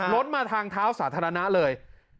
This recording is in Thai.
รถมาทางเท้าสาธารณะเลย